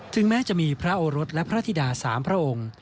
แม้จะมีพระโอรสและพระธิดา๓พระองค์